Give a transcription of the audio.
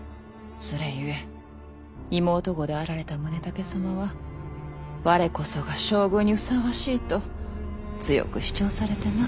それゆえ妹御であられた宗武様は我こそが将軍にふさわしいと強く主張されてな。